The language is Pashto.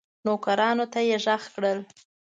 نوکرانو ته یې ږغ کړل